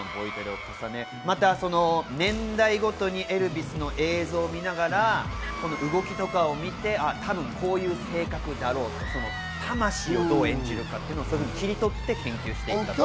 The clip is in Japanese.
また年代ごとにエルヴィスの映像を見ながら動きとかを見て、多分こういう性格だろう、魂をどう演じるかというのを切り取って研究したと。